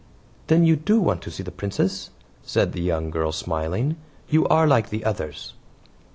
"Then you do want to see the Princess?" said the young girl smiling; "you are like the others."